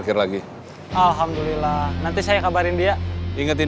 kirim aja ke bang edi